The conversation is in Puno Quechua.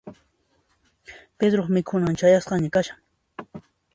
Pedroq mikhunan chayasqaña kashan.